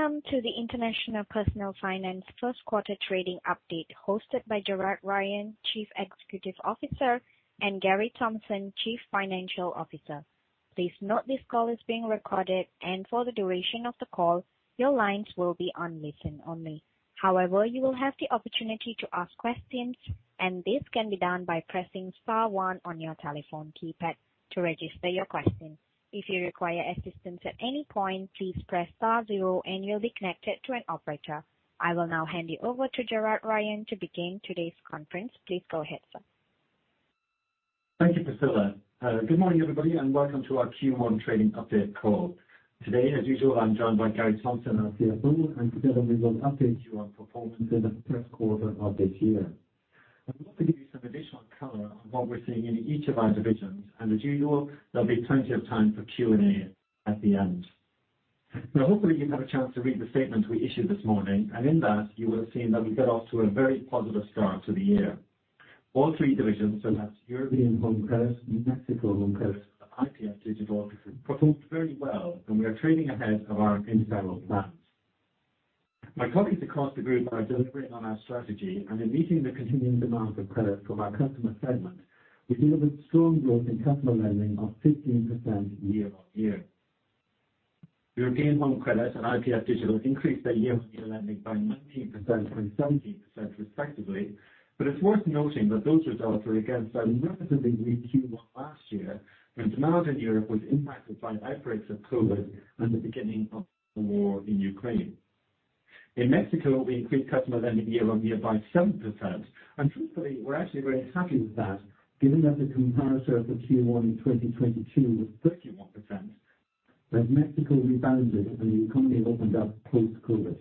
Welcome to the International Personal Finance first quarter trading update hosted by Gerard Ryan, Chief Executive Officer, and Gary Thompson, Chief Financial Officer. Please note this call is being recorded and for the duration of the call, your lines will be on listen only. You will have the opportunity to ask questions, and this can be done by pressing star one on your telephone keypad to register your question. If you require assistance at any point, please press star zero and you'll be connected to an operator. I will now hand you over to Gerard Ryan to begin today's conference. Please go ahead, sir. Thank you, Priscilla. Good morning, everybody, and welcome to our Q1 trading update call. Today, as usual, I'm joined by Gary Thompson, our CFO, and together we will update you on performance in the first quarter of this year. I'd like to give you some additional color on what we're seeing in each of our divisions. As usual, there will be plenty of time for Q&A at the end. Hopefully you've had a chance to read the statement we issued this morning. In that, you will have seen that we got off to a very positive start to the year. All three divisions, so that's European Home Credit, Mexico Home Credit, and IPF Digital, performed very well, and we are trading ahead of our internal plans. My colleagues across the group are delivering on our strategy and in meeting the continuing demand of credit from our customer segment. We delivered strong growth in customer lending of 15% year-on-year. European home credit and IPF Digital increased their year-on-year lending by 19% and 17% respectively. It's worth noting that those results were against a relatively weak Q1 last year, when demand in Europe was impacted by outbreaks of COVID and the beginning of the war in Ukraine. In Mexico, we increased customer lending year-on-year by 7%. Truthfully, we're actually very happy with that given that the comparator for Q1 in 2022 was 31%, as Mexico rebounded as the economy opened up post-COVID.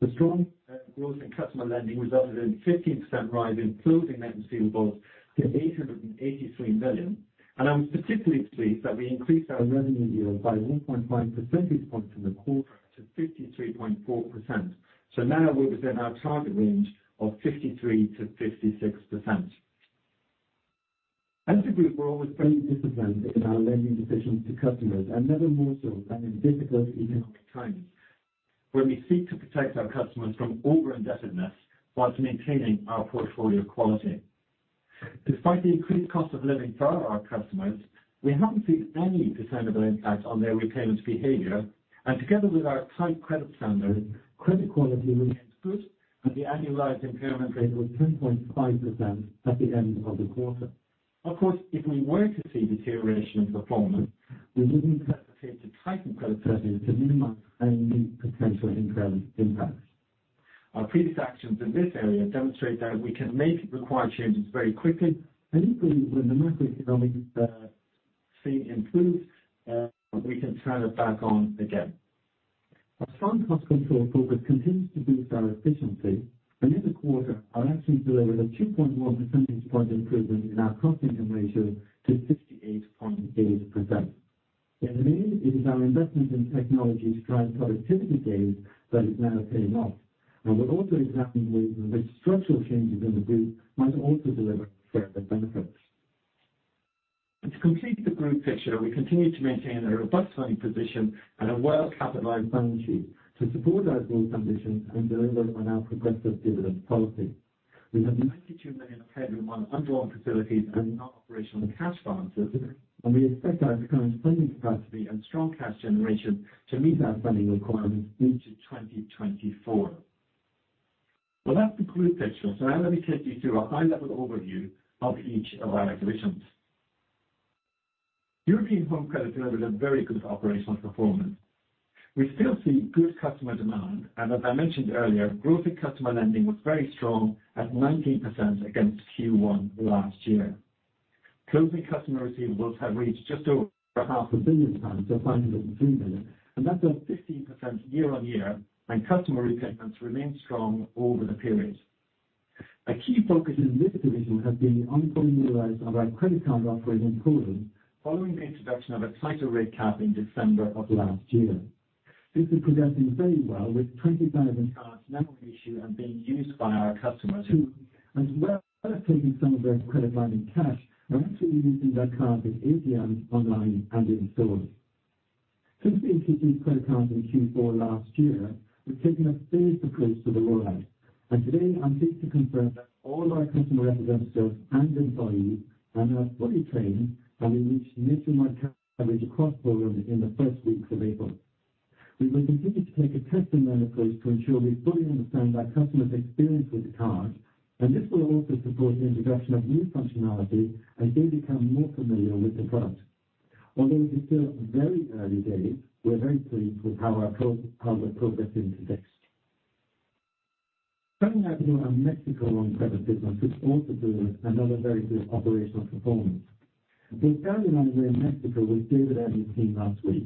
The strong growth in customer lending resulted in 15% rise in closing net receivables to 883 million. I'm particularly pleased that we increased our revenue yield by 1.5 percentage points in the quarter to 53.4%. Now we're within our target range of 53%-56%. As a group, we're always very disciplined in our lending decisions to customers and never more so than in difficult economic times when we seek to protect our customers from over-indebtedness whilst maintaining our portfolio quality. Despite the increased cost of living for our customers, we haven't seen any discernible impact on their repayments behavior and together with our tight credit standards, credit quality remains good and the annualized impairment rate was 10.5% at the end of the quarter. Of course, if we were to see deterioration in performance, we wouldn't hesitate to tighten credit settings to minimize any potential impairment impacts. Our previous actions in this area demonstrate that we can make required changes very quickly. Equally, when the macroeconomic scene improves, we can turn it back on again. Our strong cost control focus continues to boost our efficiency, and in the quarter I actually delivered a 2.1 percentage point improvement in our cost-income ratio to 68.8%. In the main, it is our investment in technology-driven productivity gains that is now paying off. We're also examining the structural changes in the group might also deliver further benefits. To complete the group picture, we continue to maintain a robust funding position and a well-capitalized balance sheet to support our growth ambitions and deliver on our progressive dividend policy. We have 92 million available on undrawn facilities and non-operational cash balances, and we expect our current funding capacity and strong cash generation to meet our funding requirements into 2024. That's the group picture. Now let me take you through a high-level overview of each of our divisions. European Home Credit delivered a very good operational performance. We still see good customer demand, and as I mentioned earlier, growth in customer lending was very strong at 19% against Q1 last year. Closing customer receivables have reached just over half a billion pounds, so 503 million. That's up 15% year-on-year, and customer repayments remain strong over the period. A key focus in this division has been the ongoing rollout of our credit card offering in Poland, following the introduction of a tighter rate cap in December of last year. This is progressing very well, with 20,000 cards now issued and being used by our customers who, as well as taking some of their credit line in cash, are actually using their card in ATMs, online and in stores. Since we introduced credit cards in Q4 last year, we've taken a phased approach to the rollout. Today I'm pleased to confirm that all of our customer representatives and employees are now fully trained and we reached nationwide coverage across Poland in the first week of April. We will continue to take a testing learning approach to ensure we fully understand our customers experience with the card. This will also support the introduction of new functionality as they become more familiar with the product. Although it is still very early days, we are very pleased with how we're progressing to date. Turning now to our Mexico Home Credit business, which also delivered another very good operational performance. The Italian manager in Mexico with David and his team last week.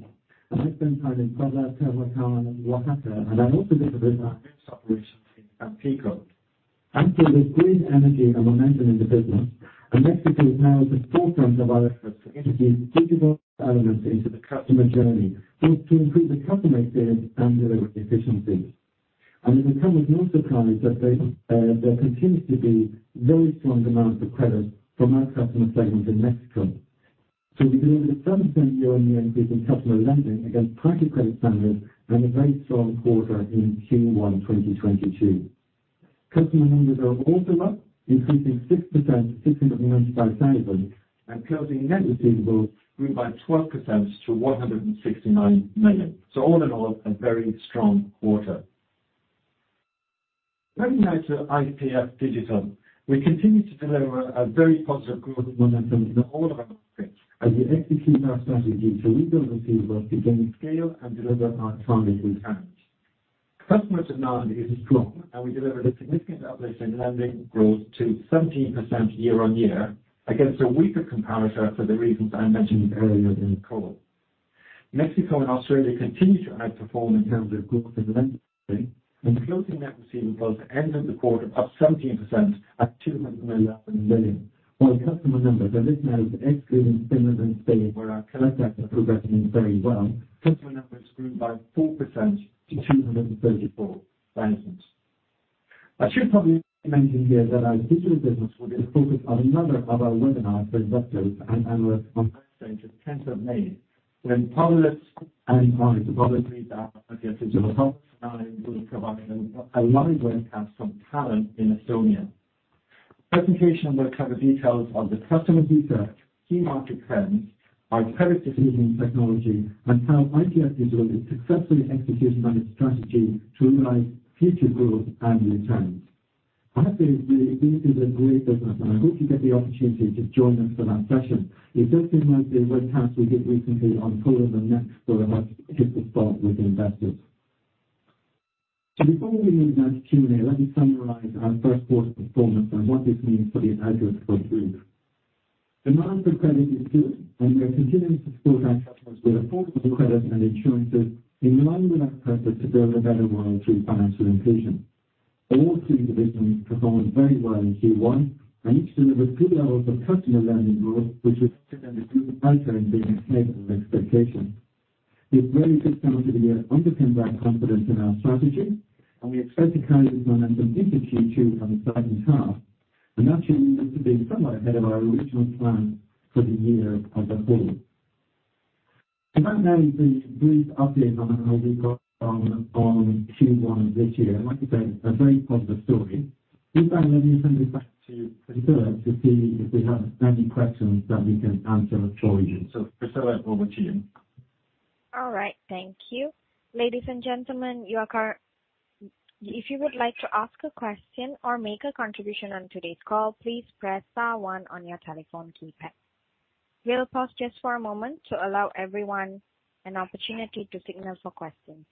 I spent time in Puebla, Hermosillo, Oaxaca, and I also visited our newest operations in Tampico. Actually, there's great energy and momentum in the business, and Mexico is now at the forefront of our efforts to introduce digital elements into the customer journey, both to improve the customer experience and deliver efficiency. It would come as no surprise that there continues to be very strong demand for credit from our customer segment in Mexico. We delivered a 7% year-on-year increase in customer lending against tighter credit standards and a very strong quarter in Q1 2022. Customer numbers are also up, increasing 6% to 695,000. Closing net receivables grew by 12% to 169 million. All in all, a very strong quarter. Turning now to IPF Digital. We continue to deliver a very positive growth momentum in all of our markets as we execute our strategy to rebuild receivables, gain scale, and deliver our targeted returns. Customer demand is strong, and we delivered a significant uplift in lending growth to 17% year-on-year against a weaker comparator for the reasons I mentioned earlier in the call. Mexico and Australia continue to outperform in terms of growth in lending. Closing net receivables end of the quarter up 17% at 211 million, while customer numbers are this now excluding Finland and Spain, where our collect actions are progressing very well. Customer numbers grew by 4% to 234,000. I should probably mention here that our digital business will be the focus of another of our webinars for investors and analysts on Wednesday, 10th of May, when Paulus and his colleague, Rita, of the digital product design will provide a live webcast from Tallinn in Estonia. Presentation will cover details of the customer research, key market trends, our credit decisioning technology, and how IPF Digital is successfully executing on its strategy to realize future growth and returns. I have to say, this is a great business, and I hope you get the opportunity to join us for that session. It does remind me of the webcast we did recently on Poland Next for a much different start with investors. Before we move on to Q&A, let me summarize our first quarter performance and what this means for the address for growth. Demand for credit is good, and we are continuing to support our customers with affordable credit and insurances in line with our purpose to build a better world through financial inclusion. All three divisions performed very well in Q1, and each delivered good levels of customer lending growth, which was driven by trends being in line with expectation. This very good start to the year underpins our confidence in our strategy, and we expect to carry this momentum into Q2 and the second half. That should lead us to being somewhat ahead of our original plan for the year as a whole. That then is the brief update on how we got on Q1 of this year. Like I said, a very positive story. With that, let me send it back to Priscilla to see if we have any questions that we can answer for you. Priscilla, over to you. All right. Thank you. Ladies and gentlemen, you are... If you would like to ask a question or make a contribution on today's call, please press star one on your telephone keypad. We'll pause just for a moment to allow everyone an opportunity to signal for questions.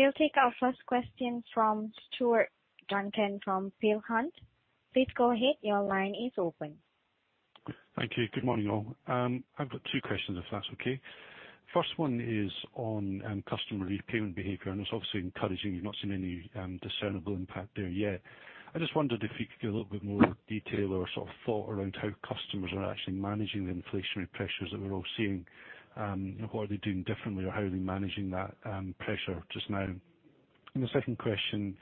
We'll take our first question from Stuart Duncan from Peel Hunt. Please go ahead. Your line is open. Thank you. Good morning, all. I've got two questions, if that's okay. First one is on customer repayment behavior, and it's obviously encouraging you've not seen any discernible impact there yet. I just wondered if you could give a little bit more detail or sort of thought around how customers are actually managing the inflationary pressures that we're all seeing. What are they doing differently, or how are they managing that pressure just now? The second question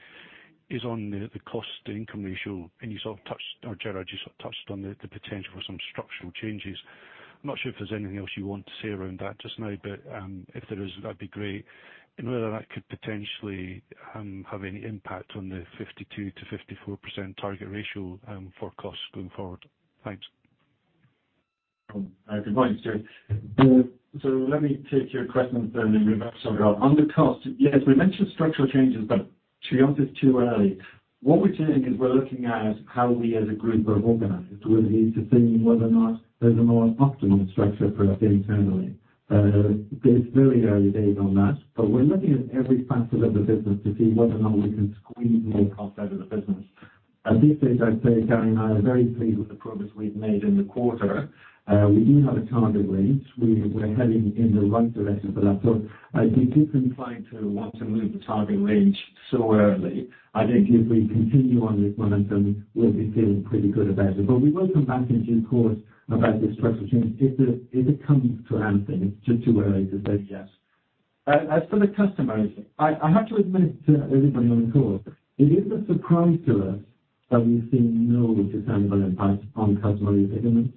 is on the cost-income ratio. You sort of touched or Gerard you sort of touched on the potential for some structural changes. I'm not sure if there's anything else you want to say around that just now, but if there is, that'd be great. Whether that could potentially have any impact on the 52%-54% target ratio for costs going forward. Thanks. Good morning, Stuart. Let me take your questions then in reverse order. On the cost, yes, we mentioned structural changes, but to be honest, it's too early. What we're doing is we're looking at how we as a group are organized. We're beginning to think whether or not there's a more optimum structure for us internally. It's very early days on that, but we're looking at every facet of the business to see whether or not we can squeeze more cost out of the business. At this stage, I'd say Gary and I are very pleased with the progress we've made in the quarter. We do have a target range. We're heading in the right direction for that. I'd be too inclined to want to move the target range so early. I think if we continue on this momentum, we'll be feeling pretty good about it. We will come back in due course about the structural change if it, if it comes to anything. It's just too early to say yes. As for the customers, I have to admit to everybody on the call, it is a surprise to us that we've seen no discernible impact on customer repayments.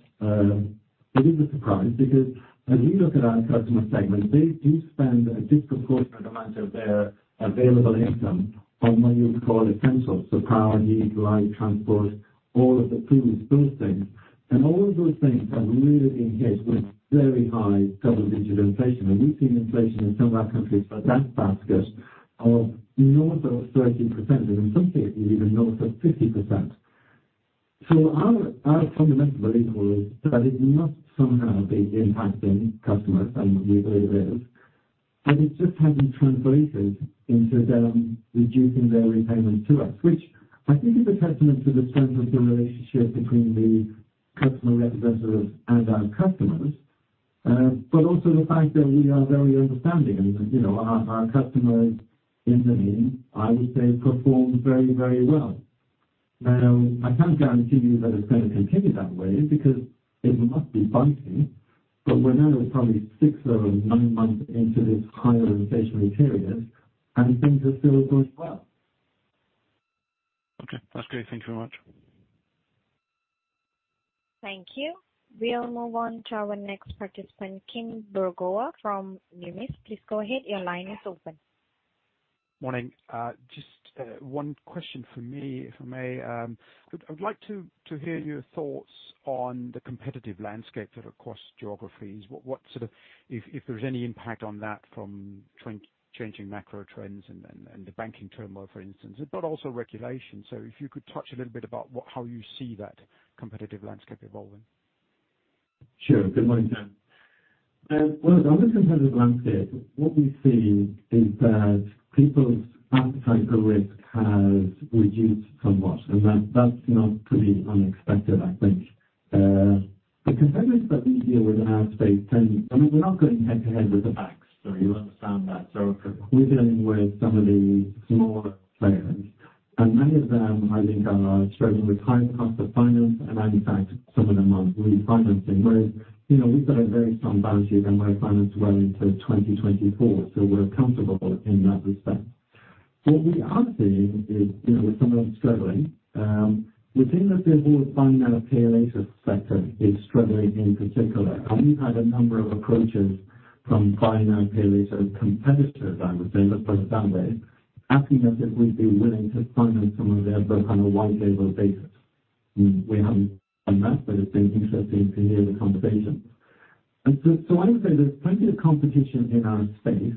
It is a surprise because as we look at our customer segment, they do spend a disproportionate amount of their available income on what you would call essentials, so power, heat, light, transport, all of the pretty exposed things. All of those things have really been hit with very high double-digit inflation. We've seen inflation in some of our countries like that basket of north of 13%, and in some cases even north of 50%. Our, our fundamental belief was that it must somehow be impacting customers, and it is. It just hasn't translated into them reducing their repayments to us, which I think is a testament to the strength of the relationship between the customer representatives and our customers. But also the fact that we are very understanding and, you know, our customers in the main, I would say, perform very, very well. I can't guarantee you that it's gonna continue that way because it must be biting. We're now probably six or nine months into this higher inflation period, and things are still going well. Okay, that's great. Thank you very much. Thank you. We'll move on to our next participant, Kim Bergoe from Numis. Please go ahead. Your line is open. Morning. Just one question from me, if I may. I'd like to hear your thoughts on the competitive landscape sort of across geographies. If there's any impact on that from changing macro trends and the banking turmoil, for instance, but also regulation. If you could touch a little bit about how you see that competitive landscape evolving. Sure. Good morning. Well, on the competitive landscape, what we're seeing is that people's appetite for risk has reduced somewhat, and that's not completely unexpected, I think. The competitors that we deal with in our space. I mean, we're not going head-to-head with the banks, you understand that. We're dealing with some of the smaller players, and many of them, I think, are struggling with higher cost of finance, and matter of fact, some of them are refinancing, whereas, you know, we've got a very strong balance sheet and we're financed well into 2024, so we're comfortable in that respect. What we are seeing is, you know, with some of them struggling, we're seeing that the whole buy now, pay later sector is struggling in particular. We've had a number of approaches from buy now, pay later competitors, I would say, let's put it that way, asking us if we'd be willing to finance some of their kind of white label bases. We haven't done that, but it's been interesting to hear the conversation. I would say there's plenty of competition in our space,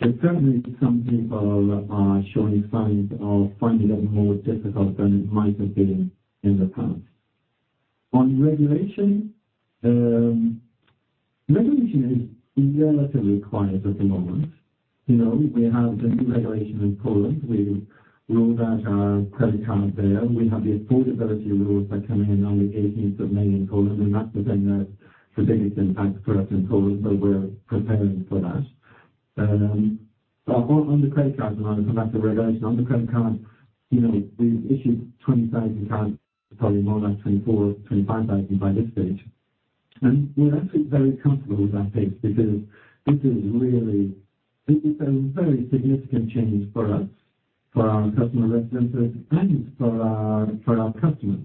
but certainly some people are showing signs of finding it more difficult than it might have been in the past. On regulation is relatively quiet at the moment. You know, we have the new regulation in Poland. We rolled out our credit card there. We have the affordability rules that come in on the 18th of May in Poland, and that will then have a significant impact for us in Poland, so we're preparing for that. On the credit card, and I'll come back to regulation. On the credit card, you know, we've issued 20,000 cards, probably more like 24,000-25,000 by this stage. We're actually very comfortable with that pace because this is a very significant change for us, for our customer representatives and for our, for our customers.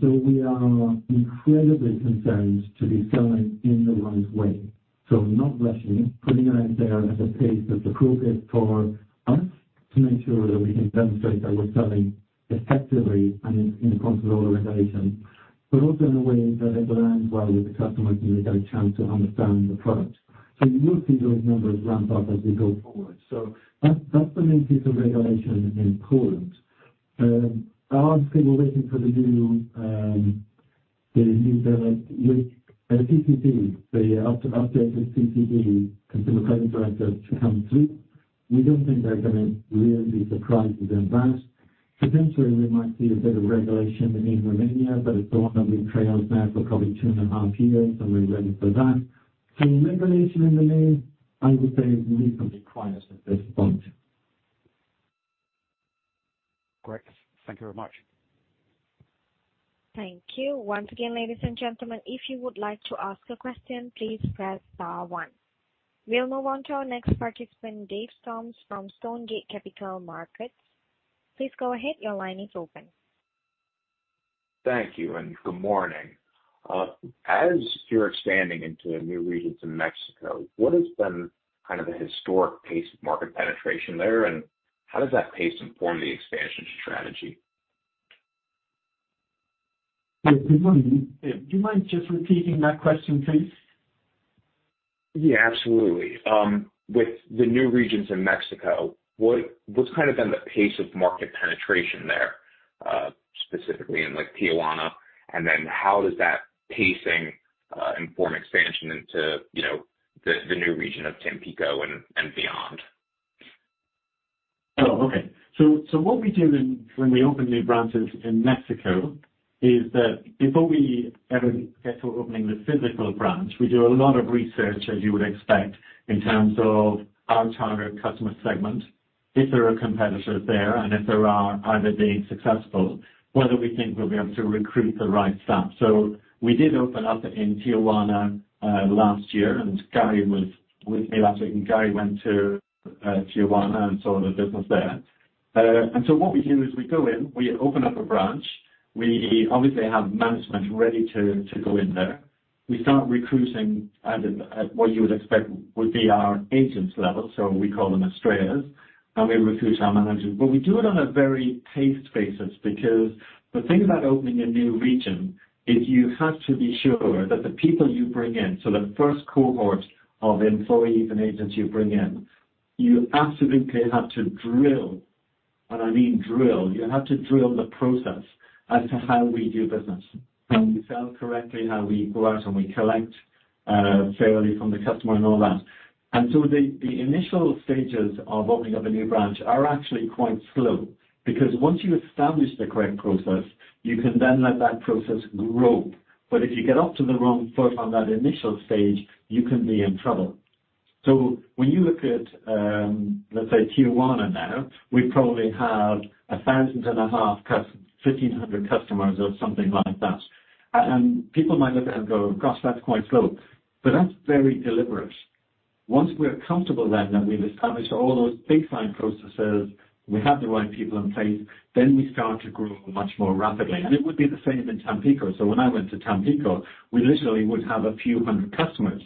We are incredibly concerned to be selling in the right way. Not rushing, putting it out there at a pace that's appropriate for us to make sure that we can demonstrate that we're selling effectively and in control of the regulation. Also in a way that it aligns well with the customer, so they get a chance to understand the product. You will see those numbers ramp up as we go forward. That, that's the main piece of regulation in Poland. Obviously, we're waiting for the new CCD, the updated CCD, Consumer Credit Directive, to come through. We don't think there's gonna really be surprises in that. Potentially, we might see a bit of regulation in Romania, but it's the one that we've trailed now for probably two and a half years, so we're ready for that. Regulation in the main, I would say, is reasonably quiet at this point. Great. Thank you very much. Thank you. Once again, ladies and gentlemen, if you would like to ask a question, please press star one. We'll move on to our next participant, Dave Storms from Stonegate Capital Markets. Please go ahead. Your line is open. Thank you, good morning. As you're expanding into the new regions in Mexico, what has been kind of the historic pace of market penetration there, and how does that pace inform the expansion strategy? Yeah. Good morning, Dave. Do you mind just repeating that question, please? Yeah, absolutely. With the new regions in Mexico, what's kind of been the pace of market penetration there, specifically in, like, Tijuana? How does that pacing inform expansion into, you know, the new region of Tampico and beyond? Okay. What we do when we open new branches in Mexico is that before we ever get to opening the physical branch, we do a lot of research, as you would expect, in terms of our target customer segment. If there are competitors there, and if there are they being successful? Whether we think we'll be able to recruit the right staff. We did open up in Tijuana last year, and Gary was with me that week, and Gary went to Tijuana and saw the business there. What we do is we go in, we open up a branch. We obviously have management ready to go in there. We start recruiting at what you would expect would be our agents level, so we call them uncertain, and we recruit our managers. We do it on a very paced basis because the thing about opening a new region is you have to be sure that the people you bring in, so the first cohort of employees and agents you bring in, you absolutely have to drill. I mean drill. You have to drill the process as to how we do business. How we sell correctly, how we go out and we collect fairly from the customer and all that. The initial stages of opening up a new branch are actually quite slow. Because once you establish the correct process, you can then let that process grow. If you get off to the wrong foot on that initial stage, you can be in trouble. When you look at let's say Tijuana now, we probably have 1,500 customers or something like that. People might look at that and go, "Gosh, that's quite slow." That's very deliberate. Once we're comfortable then that we've established all those baseline processes, we have the right people in place, then we start to grow much more rapidly. It would be the same in Tampico. When I went to Tampico, we literally would have a few hundred customers.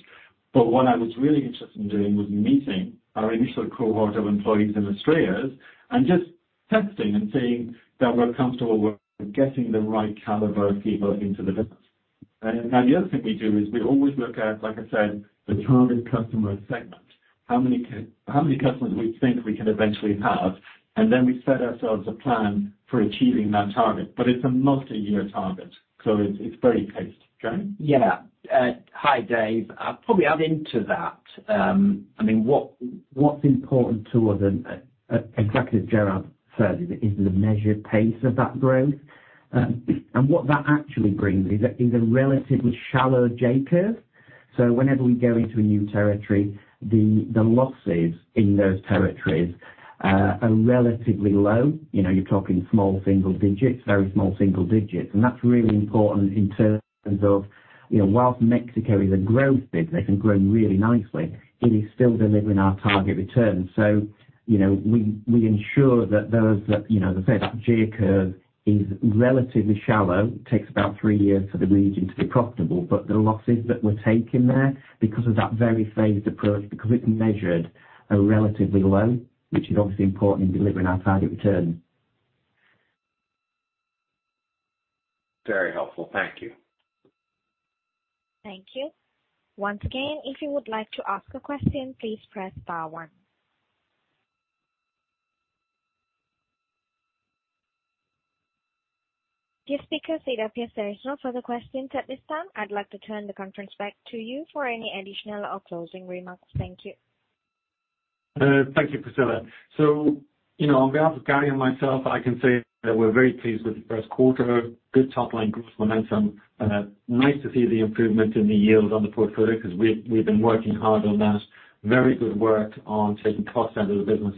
What I was really interested in doing was meeting our initial cohort of employees and administrators and just testing and seeing that we're comfortable we're getting the right caliber of people into the business. The other thing we do is we always look at, like I said, the target customer segment. How many customers we think we can eventually have, and then we set ourselves a plan for achieving that target. It's a multi-year target, so it's very paced. John? Yeah. Hi, Dave. I'll probably add into that. I mean, what's important to us and exactly as Gerard said, is the measured pace of that growth. And what that actually brings is a relatively shallow J-curve. Whenever we go into a new territory, the losses in those territories are relatively low. You know, you're talking small single digits, very small single digits. That's really important in terms of, you know, whilst Mexico is a growth business and growing really nicely, it is still delivering our target return. You know, we ensure that those that, you know, as I say, that J-curve is relatively shallow. It takes about three years for the region to be profitable. The losses that we're taking there because of that very phased approach, because it's measured, are relatively low, which is obviously important in delivering our target return. Very helpful. Thank you. Thank you. Once again, if you would like to ask a question, please press star one. Dear speakers, it appears there is no further questions at this time. I'd like to turn the conference back to you for any additional or closing remarks. Thank you. Thank you, Priscilla. You know, on behalf of Gary and myself, I can say that we're very pleased with the first quarter. Good top line growth momentum. Nice to see the improvement in the yield on the portfolio 'cause we've been working hard on that. Very good work on taking cost out of the business,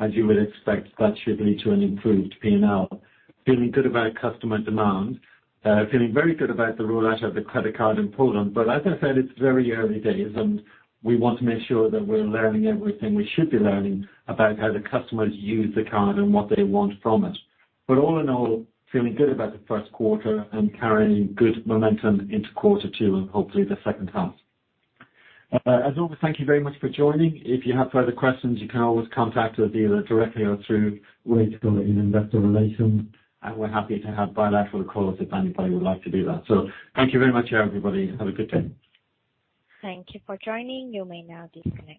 as you would expect, that should lead to an improved P&L. Feeling good about customer demand. Feeling very good about the rollout of the credit card in Poland. As I said, it's very early days, and we want to make sure that we're learning everything we should be learning about how the customers use the card and what they want from it. All in all, feeling good about the first quarter and carrying good momentum into quarter two and hopefully the second half. As always, thank you very much for joining. If you have further questions, you can always contact the dealer directly or through Will Wade-Gery in investor relations. We're happy to have bilateral calls if anybody would like to do that. Thank you very much, everybody. Have a good day. Thank you for joining. You may now disconnect.